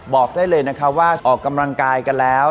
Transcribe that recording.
บอกได้เลยนะคะว่าออกกำลังกายกันแล้ว